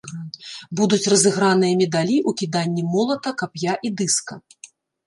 Будуць разыграныя медалі ў кіданні молата, кап'я і дыска.